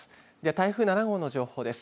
台風７号の情報です。